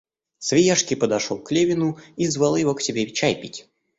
Свияжский подошел к Левину и звал его к себе чай пить.